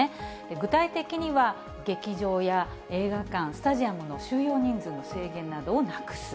具体的には、劇場や映画館、スタジアムの収容人数の制限などをなくす。